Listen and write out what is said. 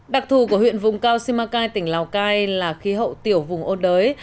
đặc thù của huyện vùng cao simacai tỉnh lào cai là khí hậu tiểu vùng ôn đới